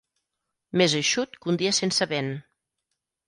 Més eixut que un dia sense vent.